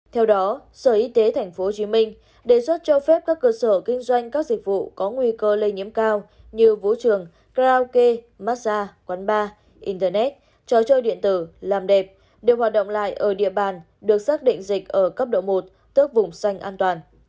theo đó sở y tế tp hcm đề xuất cho phép các cơ sở kinh doanh các dịch vụ có nguy cơ lây nhiễm cao như vũ trường karaoke massage quán bar internet trò chơi điện tử làm đẹp đều hoạt động lại ở địa bàn được xác định dịch ở cấp độ một tức vùng xanh an toàn